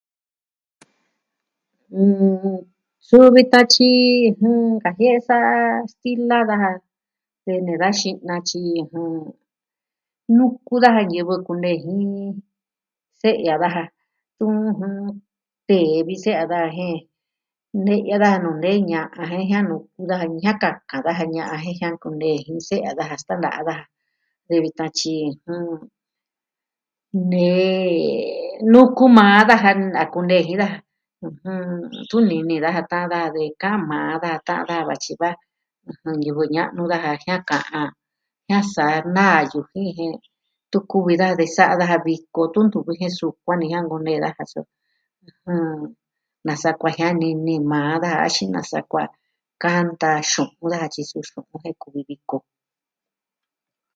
Su vi tatyi, kajie'e sa stila daja. Kue'e nee da xinatyi nuku daja ñivɨ kunei, se'ya daja. Tee vi se'ya daja jen, ne'ya daja nuu nee ña'an jen jia'nu kuu daja ñɨɨ jiaka ka daja ña'an jen jia'an kunee jin se'ya daja staa na daja. Kuee vitan tyi... nee nukumaa daja a kunejii daja. Tuni ni daja de kaa maa da tan da vatyi va. Ñivɨ ña'nu daja jia'an ka'an, jiaa sa naa yu jin jen. ntu kuvi da de sa'a daja viko tun tukujiee sukuan ni jiaa nuu nee daja so. Nasa kuajiani ni maa da axin nasa kuaa. Kanta xu'un daja tyiso jen kuvi viko.